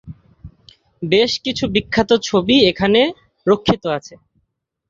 বেশ কিছু বিখ্যাত ছবি এখানে রক্ষিত আছে।